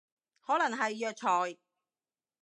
可能係藥材